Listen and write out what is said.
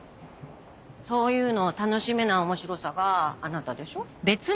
そういうのを楽しめない面白さがあなたでしょ？